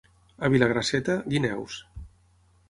A Vilagrasseta, guineus.